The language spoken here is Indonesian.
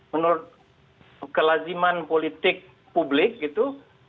menurut kelaziman politik publik gitu